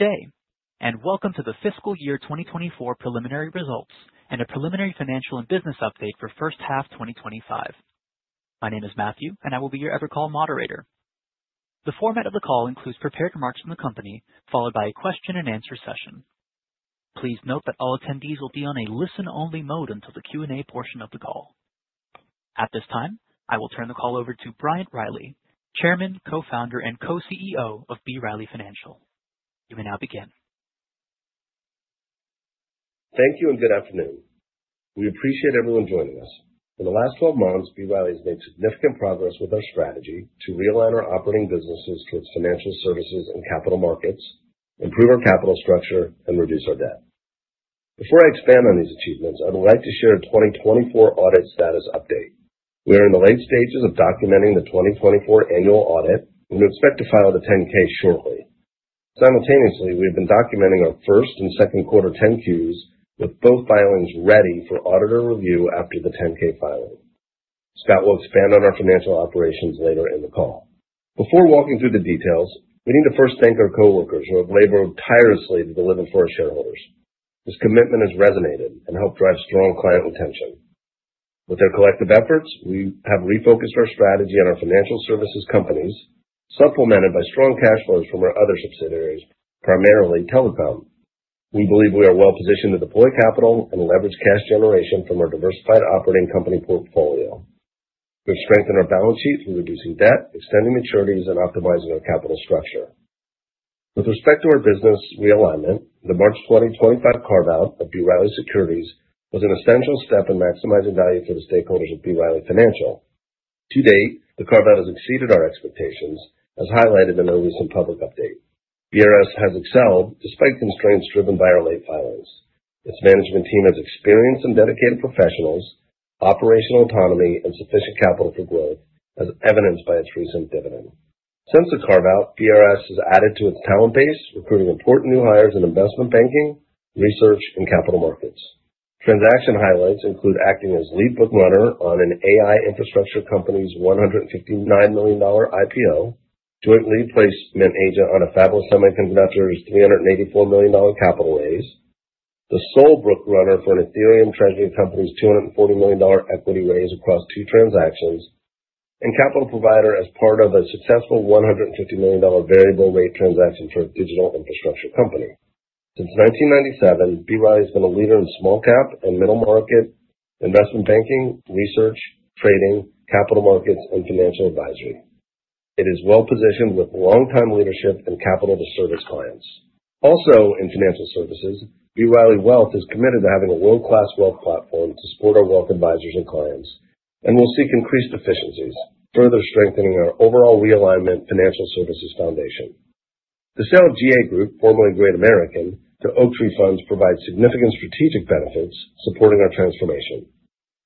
Today, and welcome to the Fiscal Year 2024 Preliminary Results and a Preliminary Financial and Business Update for First Half 2025. My name is Matthew, and I will be your ever-call moderator. The format of the call includes prepared remarks from the company, followed by a question-and-answer session. Please note that all attendees will be on a listen-only mode until the Q&A portion of the call. At this time, I will turn the call over to Bryant Riley, Chairman, Co-Founder, and Co-CEO of B. Riley Financial. You may now begin. Thank you and good afternoon. We appreciate everyone joining us. In the last 12 months, B. Riley has made significant progress with our strategy to realign our operating businesses towards financial services and capital markets, improve our capital structure, and reduce our debt. Before I expand on these achievements, I would like to share the 2024 audit status update. We are in the late stages of documenting the 2024 annual audit and expect to file the 10-K shortly. Simultaneously, we have been documenting our first and second quarter 10-Qs with both filings ready for auditor review after the 10-K filing. Scott will expand on our financial operations later in the call. Before walking through the details, we need to first thank our coworkers who have labored tirelessly to deliver for our shareholders. This commitment has resonated and helped drive strong client retention. With their collective efforts, we have refocused our strategy on our financial services companies, supplemented by strong cash flows from our other subsidiaries, primarily telecom. We believe we are well-positioned to deploy capital and leverage cash generation from our diversified operating company portfolio. We've strengthened our balance sheet from reducing debt, extending maturities, and optimizing our capital structure. With respect to our business realignment, the March 2025 carve-out of B. Riley Securities was an essential step in maximizing value for the stakeholders of B. Riley Financial. To date, the carve-out has exceeded our expectations, as highlighted in the recent public update. B. Riley has excelled despite constraints driven by our late filings. Its management team has experienced and dedicated professionals, operational autonomy, and sufficient capital for growth, as evidenced by its recent dividend. Since the carve-out, B. Riley Financial has added to its talent base, recruiting important new hires in investment banking, research, and capital markets. Transaction highlights include acting as lead book runner on an AI infrastructure company's $159 million IPO, joint lead placement agent on a fabulous semiconductor's $384 million capital raise, the sole book runner for an Ethereum treasury company's $240 million equity raise across two transactions, and capital provider as part of a successful $150 million variable rate transaction for a digital infrastructure company. Since 1997, B. Riley has been a leader in small-cap and middle-market investment banking, research, trading, capital markets, and financial advisory. It is well-positioned with long-time leadership and capital to service clients. Also in financial services, B. Riley Wealth is committed to having a world-class wealth platform to support our wealth advisors and clients, and will seek increased efficiencies, further strengthening our overall realignment financial services foundation. The sale of GA Group, formerly Great American, to Oaktree provides significant strategic benefits, supporting our transformation.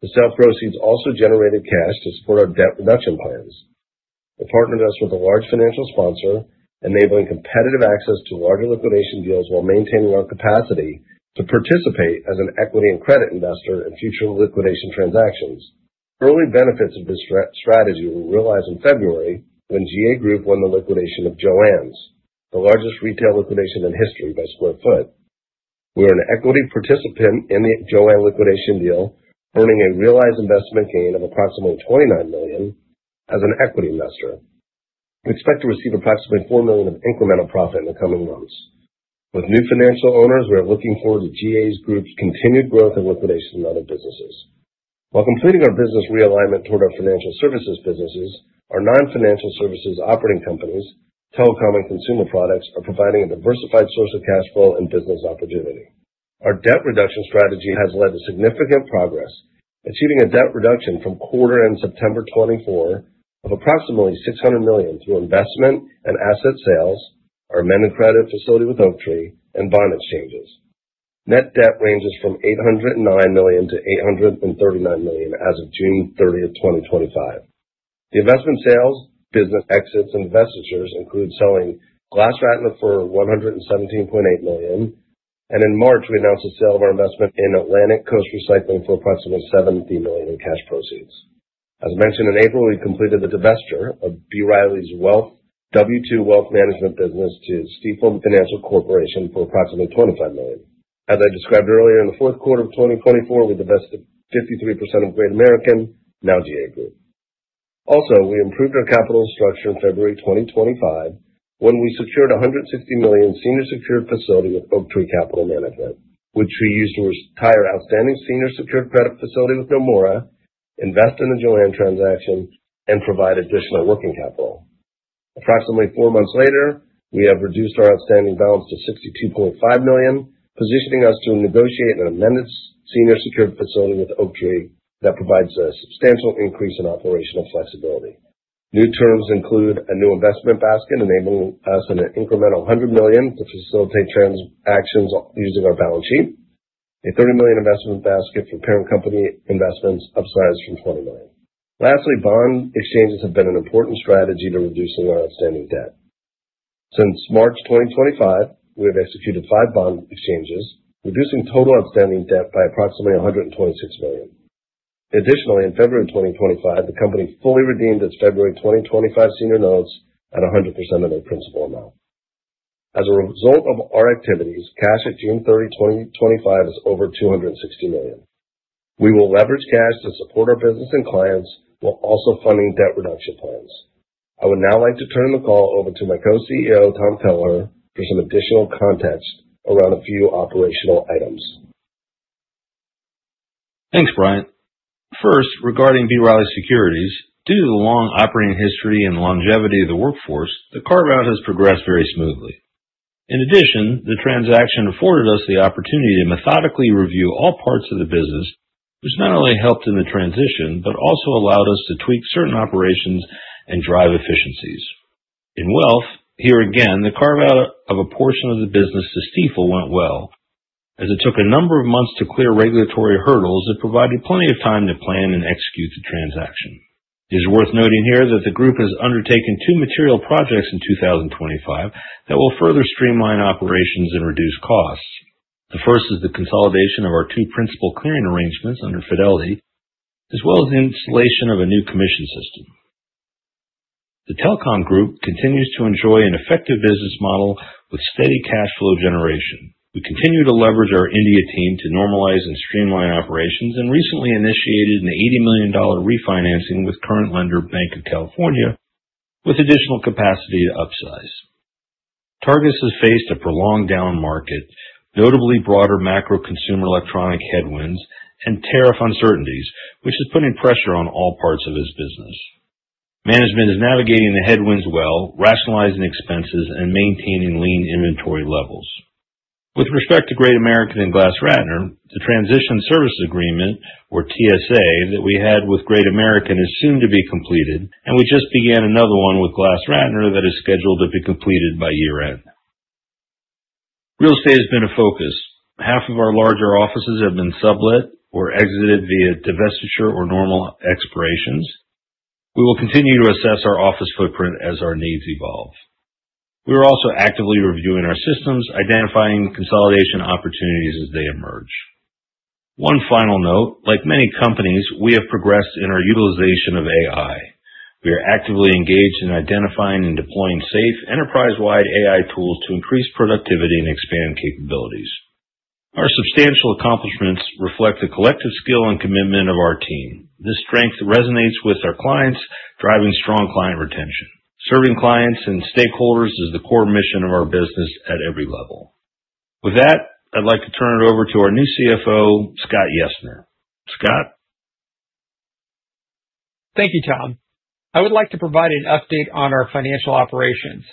The sale proceeds also generated cash to support our debt reduction plans. It partnered us with a large financial sponsor, enabling competitive access to larger liquidation deals while maintaining our capacity to participate as an equity and credit investor in future liquidation transactions. Early benefits of this strategy were realized in February when GA Group won the liquidation of JOANN's, the largest retail liquidation in history, by split foot. We are an equity participant in the JOANN liquidation deal, earning a realized investment gain of approximately $29 million as an equity investor. We expect to receive approximately $4 million of incremental profit in the coming months. With new financial owners, we are looking forward to GA Group's continued growth and liquidation in other businesses. While completing our business realignment toward our financial services businesses, our non-financial services operating companies, telecom, and consumer products are providing a diversified source of cash flow and business opportunity. Our debt reduction strategy has led to significant progress, achieving a debt reduction from quarter end September 2024 of approximately $600 million through investment and asset sales, our senior secured facility with Oaktree, and bond exchanges. Net debt ranges from $809 million-$839 million as of June 30, 2025. The investment sales, business exits, and divestitures include selling GlassRatner for $117.8 million, and in March, we announced the sale of our investment in Atlantic Coast Recycling for approximately $70 million in cash proceeds. As mentioned in April, we completed the divestiture of B. Riley's W2 Wealth Management business to Stifel Financial Corporation for approximately $25 million. As I described earlier, in the fourth quarter of 2024, we divested 53% of Great America, now GA Group. Also, we improved our capital structure in February 2025 when we secured a $160 million senior secured facility with Oaktree Capital Management, which we used to retire the outstanding senior secured credit facility with Nomura, invest in the JOANN transaction, and provide additional working capital. Approximately four months later, we have reduced our outstanding balance to $62.5 million, positioning us to negotiate an amended senior secured facility with Oaktree that provides a substantial increase in operational flexibility. New terms include a new investment basket, enabling us an incremental $100 million to facilitate transactions using our balance sheet, and a $30 million investment basket for parent company investments, upsized from $20 million. Lastly, bond exchanges have been an important strategy to reducing our outstanding debt. Since March 2025, we have executed five bond exchanges, reducing total outstanding debt by approximately $126 million. Additionally, in February 2025, the company fully redeemed its February 2025 senior notes at 100% of their principal amount. As a result of our activities, cash at June 30, 2025 is over $260 million. We will leverage cash to support our business and clients while also funding debt reduction plans. I would now like to turn the call over to my Co-CEO, Tom Kelleher, for some additional context around a few operational items. Thanks, Bryant. First, regarding B. Riley Securities, due to the long operating history and longevity of the workforce, the carve-out has progressed very smoothly. In addition, the transaction afforded us the opportunity to methodically review all parts of the business, which not only helped in the transition but also allowed us to tweak certain operations and drive efficiencies. In Wealth, here again, the carve-out of a portion of the business to Stifel went well, as it took a number of months to clear regulatory hurdles and provided plenty of time to plan and execute the transaction. It is worth noting here that the group has undertaken two material projects in 2025 that will further streamline operations and reduce costs. The first is the consolidation of our two principal clearing arrangements under Fidelity, as well as the installation of a new commission system. The telecom group continues to enjoy an effective business model with steady cash flow generation. We continue to leverage our India team to normalize and streamline operations and recently initiated an $80 million refinancing with current lender, Bank of California, with additional capacity to upsize. Targus has faced a prolonged down market, notably broader macro consumer electronic headwinds, and tariff uncertainties, which is putting pressure on all parts of its business. Management is navigating the headwinds well, rationalizing expenses, and maintaining lean inventory levels. With respect to Great American and GlassRatner, the transition service agreement, or TSA, that we had with Great American is soon to be completed, and we just began another one with GlassRatner that is scheduled to be completed by year-end. Real estate has been a focus. Half of our larger offices have been sublet or exited via divestiture or normal expirations. We will continue to assess our office footprint as our needs evolve. We are also actively reviewing our systems, identifying consolidation opportunities as they emerge. One final note, like many companies, we have progressed in our utilization of AI. We are actively engaged in identifying and deploying safe enterprise-wide AI tools to increase productivity and expand capabilities. Our substantial accomplishments reflect the collective skill and commitment of our team. This strength resonates with our clients, driving strong client retention. Serving clients and stakeholders is the core mission of our business at every level. With that, I'd like to turn it over to our new CFO, Scott Yessner. Scott? Thank you, Tom. I would like to provide an update on our financial operations.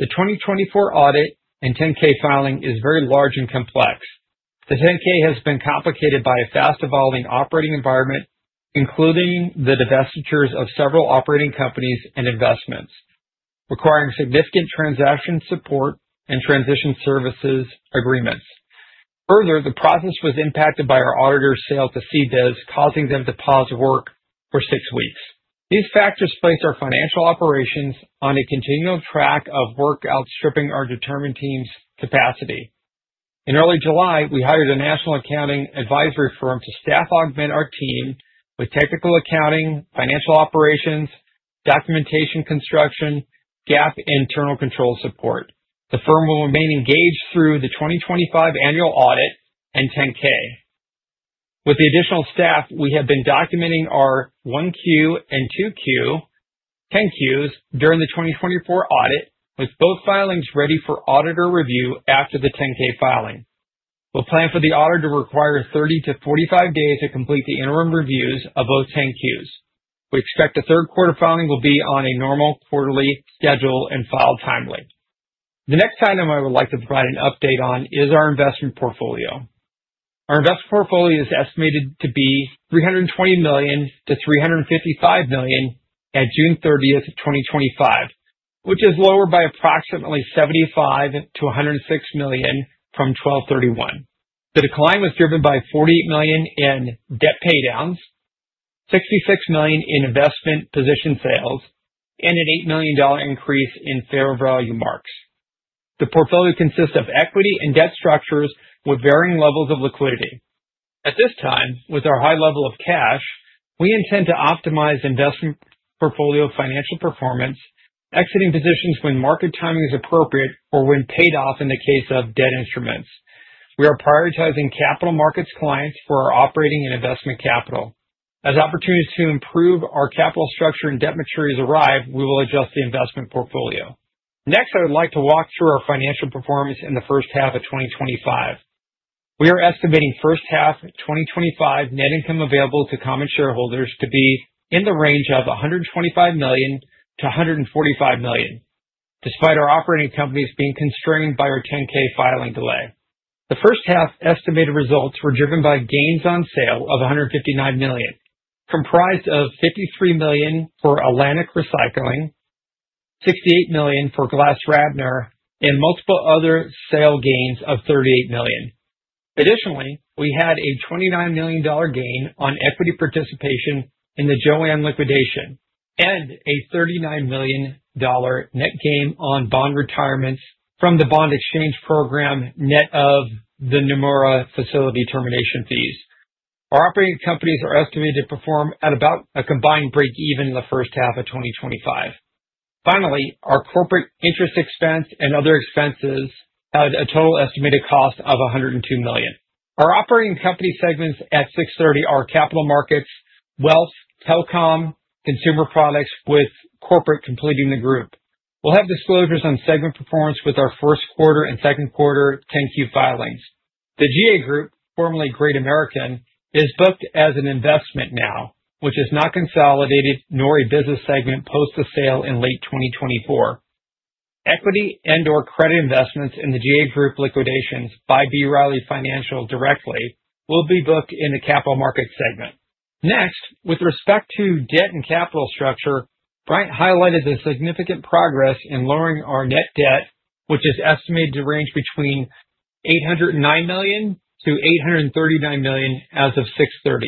The 2024 audit and 10-K filing is very large and complex. The 10-K has been complicated by a fast-evolving operating environment, including the divestitures of several operating companies and investments, requiring significant transaction support and transition services agreements. Further, the process was impacted by our auditor's sale to CBIZ, causing them to pause work for six weeks. These factors place our financial operations on a continual track of work, outstripping our determined team's capacity. In early July, we hired a national accounting advisory firm to staff augment our team with technical accounting, financial operations, documentation construction, and GAAP internal control support. The firm will remain engaged through the 2025 annual audit and 10-K. With the additional staff, we have been documenting our 1Q and 2Q 10-Qs during the 2024 audit, with both filings ready for auditor review after the 10-K filing. We plan for the auditor to require 30 to 45 days to complete the interim reviews of both 10-Qs. We expect the third quarter filing will be on a normal quarterly schedule and filed timely. The next item I would like to provide an update on is our investment portfolio. Our investment portfolio is estimated to be $320 million-$355 million at June 30th, 2025, which is lower by approximately $75 million-$106 million from 12/31. The decline was driven by $48 million in debt paydowns, $66 million in investment position sales, and an $8 million increase in fair value marks. The portfolio consists of equity and debt structures with varying levels of liquidity. At this time, with our high level of cash, we intend to optimize investment portfolio financial performance, exiting positions when market timing is appropriate or when paid off in the case of debt instruments. We are prioritizing capital markets clients for our operating and investment capital. As opportunities to improve our capital structure and debt maturities arrive, we will adjust the investment portfolio. Next, I would like to walk through our financial performance in the first half of 2025. We are estimating first half 2025 net income available to common shareholders to be in the range of $125 million-$145 million, despite our operating companies being constrained by our 10-K filing delay. The first half estimated results were driven by gains on sale of $159 million, comprised of $53 million for Atlantic Recycling, $68 million for GlassRatner, and multiple other sale gains of $38 million. Additionally, we had a $29 million gain on equity participation in the JOANN liquidation and a $39 million net gain on bond retirements from the bond exchange program net of the Nomura facility termination fees. Our operating companies are estimated to perform at about a combined break-even in the first half of 2025. Finally, our corporate interest expense and other expenses had a total estimated cost of $102 million. Our operating company segments at 6/30 are capital markets, wealth, telecom, and consumer products, with corporate completing the group. We'll have disclosures on segment performance with our first quarter and second quarter 10-Q filings. The GA Group, formerly Great American, is booked as an investment now, which is not consolidated, nor a business segment post the sale in late 2024. Equity and/or credit investments in the GA Group liquidations by B. Riley Financial directly will be booked in the capital markets segment. Next, with respect to debt and capital structure, Bryant highlighted the significant progress in lowering our net debt, which is estimated to range between $809 million-$839 million as of 6/30.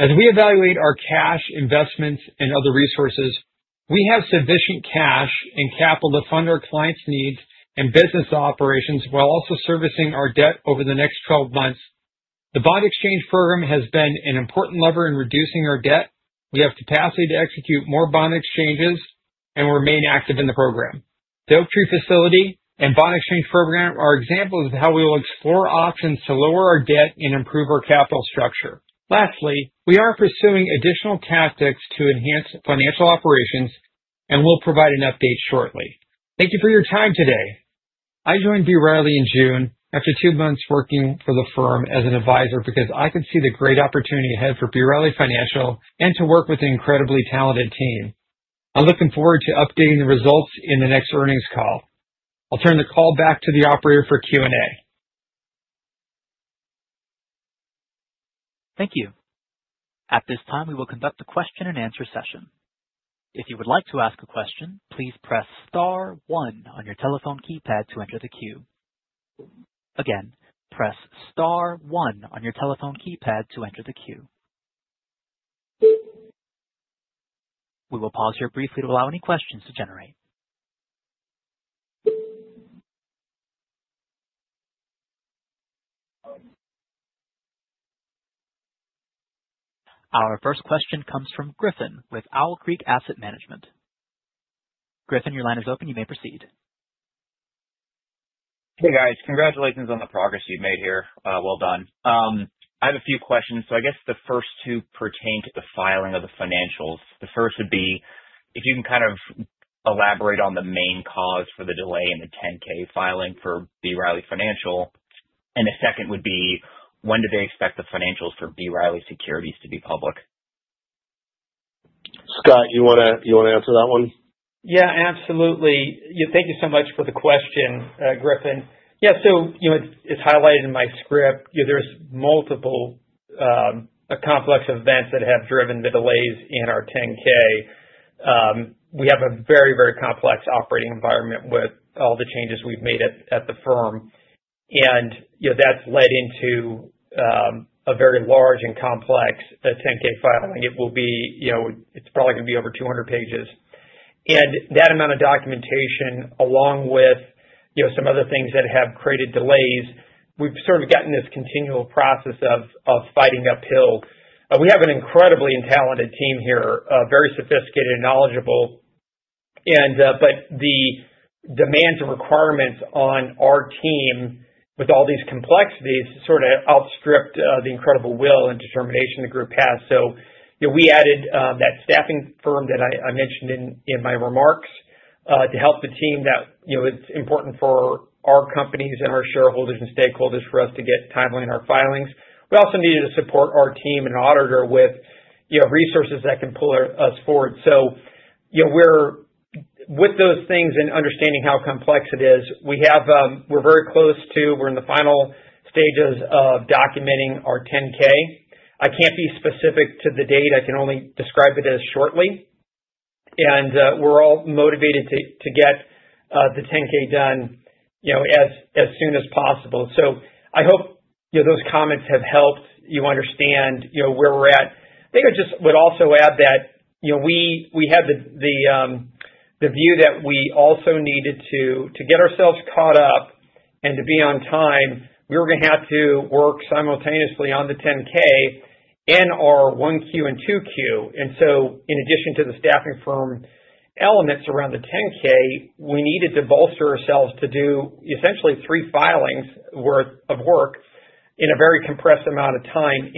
As we evaluate our cash, investments, and other resources, we have sufficient cash and capital to fund our clients' needs and business operations while also servicing our debt over the next 12 months. The bond exchange program has been an important lever in reducing our debt. We have capacity to execute more bond exchanges and remain active in the program. The Oaktree facility and bond exchange program are examples of how we will explore options to lower our debt and improve our capital structure. Lastly, we are pursuing additional tactics to enhance financial operations, and we'll provide an update shortly. Thank you for your time today. I joined B. Riley in June after two months working for the firm as an advisor because I could see the great opportunity ahead for B. Riley Financial and to work with an incredibly talented team. I'm looking forward to updating the results in the next earnings call. I'll turn the call back to the operator for Q&A. Thank you. At this time, we will conduct the question and answer session. If you would like to ask a question, please press star one on your telephone keypad to enter the queue. Again, press star one on your telephone keypad to enter the queue. We will pause here briefly to allow any questions to generate. Our first question comes from Griffin with Owl Creek Asset Management. Griffin, your line is open. You may proceed. Hey, guys. Congratulations on the progress you've made here. Well done. I have a few questions. The first two pertain to the filing of the financials. The first would be if you can kind of elaborate on the main cause for the delay in the 10-K filing for B. Riley Financial. The second would be, when did they expect the financials for B. Riley Securities to be public? Scott, you want to answer that one? Yeah, absolutely. Thank you so much for the question, Griffin. It's highlighted in my script. There are multiple complex events that have driven the delays in our 10-K. We have a very, very complex operating environment with all the changes we've made at the firm, and that's led into a very large and complex 10-K filing. It will be, you know, it's probably going to be over 200 pages. That amount of documentation, along with some other things that have created delays, we've sort of gotten this continual process of fighting uphill. We have an incredibly talented team here, very sophisticated and knowledgeable, but the demands and requirements on our team with all these complexities sort of outstripped the incredible will and determination the group has. We added that staffing firm that I mentioned in my remarks to help the team. It's important for our companies and our shareholders and stakeholders for us to get timely in our filings. We also needed to support our team and auditor with resources that can pull us forward. With those things and understanding how complex it is, we're very close to, we're in the final stages of documenting our 10-K. I can't be specific to the date. I can only describe it as shortly, and we're all motivated to get the 10-K done as soon as possible. I hope those comments have helped you understand where we're at. I think I just would also add that we have the view that we also needed to get ourselves caught up and to be on time. We were going to have to work simultaneously on the 10-K and our 1Q and 2Q. In addition to the staffing firm elements around the 10-K, we needed to bolster ourselves to do essentially three filings worth of work in a very compressed amount of time.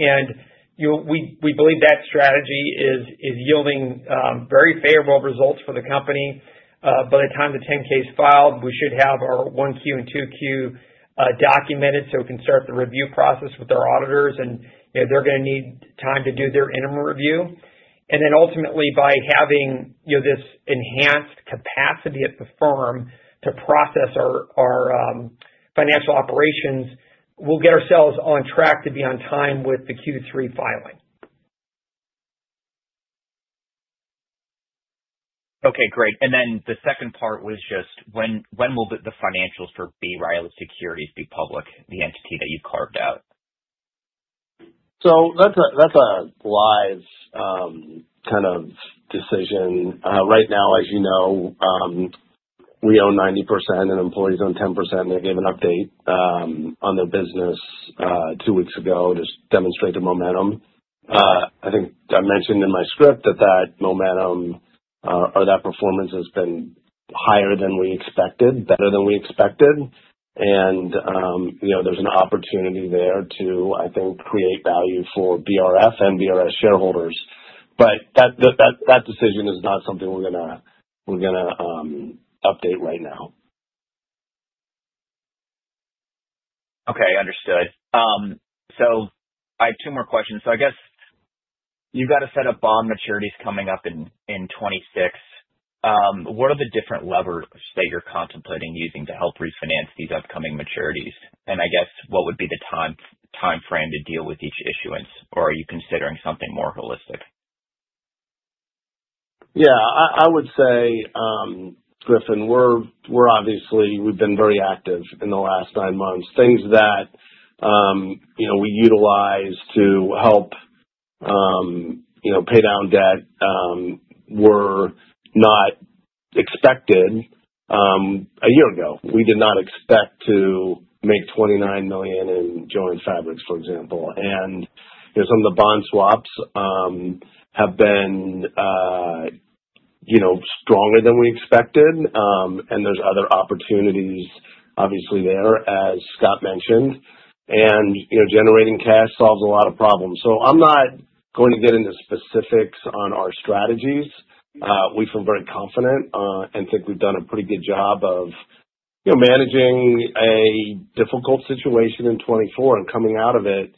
We believe that strategy is yielding very favorable results for the company. By the time the 10-K is filed, we should have our 1Q and 2Q documented so we can start the review process with our auditors. They're going to need time to do their interim review. Ultimately, by having this enhanced capacity at the firm to process our financial operations, we'll get ourselves on track to be on time with the Q3 filing. Okay, great. The second part was just when will the financials for B. Riley Securities be public, the entity that you carved out? That is a live kind of decision right now. As you know, we own 90% and employees own 10%. They gave an update on their business two weeks ago to demonstrate the momentum. I think I mentioned in my script that that momentum, or that performance, has been higher than we expected, better than we expected. There is an opportunity there to, I think, create value for BRF and BR shareholders. That decision is not something we're going to update right now. Okay, understood. I have two more questions. I guess you've got bond maturities coming up in 2026. What are the different levers that you're contemplating using to help refinance these upcoming maturities? What would be the time frame to deal with each issuance, or are you considering something more holistic? Yeah, I would say, Griffin, we're obviously, we've been very active in the last nine months. Things that we utilize to help pay down debt were not expected a year ago. We did not expect to make $29 million in JOANN Fabrics, for example. Some of the bond exchanges have been stronger than we expected. There are other opportunities, obviously, there, as Scott mentioned. Generating cash solves a lot of problems. I'm not going to get into specifics on our strategies. We feel very confident and think we've done a pretty good job of managing a difficult situation in 2024 and coming out of it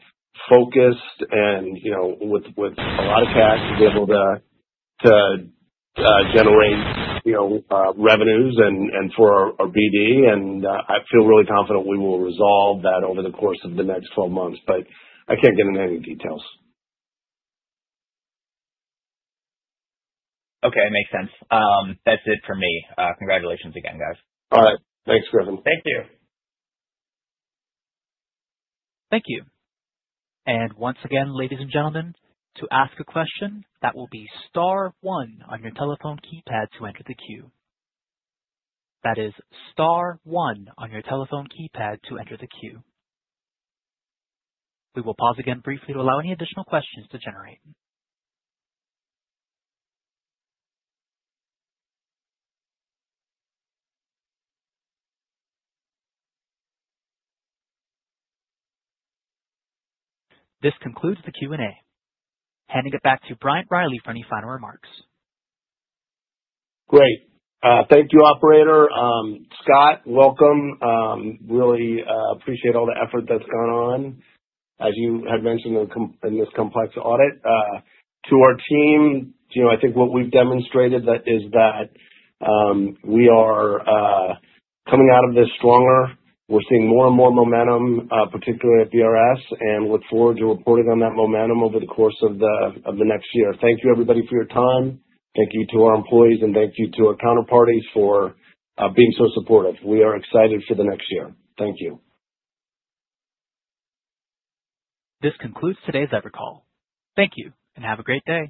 focused and with a lot of cash to be able to generate revenues and for our BD. I feel really confident we will resolve that over the course of the next 12 months, but I can't get into any details. Okay, it makes sense. That's it for me. Congratulations again, guys. All right. Thanks, Griffin. Thank you. Thank you. Once again, ladies and gentlemen, to ask a question, that will be star one on your telephone keypad to enter the queue. That is star one on your telephone keypad to enter the queue. We will pause again briefly to allow any additional questions to generate. This concludes the Q&A. Handing it back to Bryant Riley for any final remarks. Great. Thank you, operator. Scott, welcome. Really appreciate all the effort that's gone on, as you had mentioned, in this complex audit. To our team, I think what we've demonstrated is that we are coming out of this stronger. We're seeing more and more momentum, particularly at BRS, and look forward to reporting on that momentum over the course of the next year. Thank you, everybody, for your time. Thank you to our employees, and thank you to our counterparties for being so supportive. We are excited for the next year. Thank you. This concludes today's call. Thank you and have a great day.